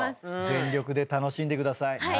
全力で楽しんでください。